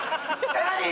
何？